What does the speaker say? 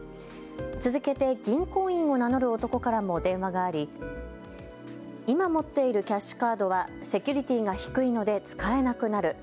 続けて銀行員を名乗る男からも電話があり今持っているキャッシュカードはセキュリティーが低いので使えなくなる。